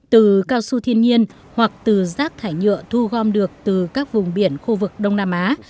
từ cao su thiên nhiên hoặc từ rác thải nhựa thu gom được từ các vùng biển khu vực đông nam á